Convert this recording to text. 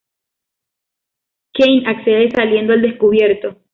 Kane accede, saliendo al descubierto.